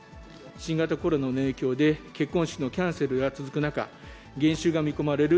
新型コロナの影響で、結婚式のキャンセルが続く中、減収が見込まれる